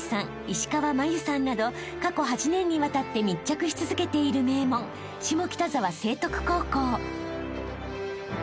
石川真佑さんなど過去８年にわたって密着し続けている名門下北沢成徳高校］